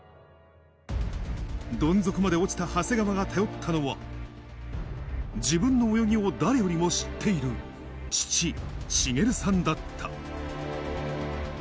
どん底まで落ちた長谷川が頼ったのは、自分の泳ぎを誰よりも知っている父、滋さんだった。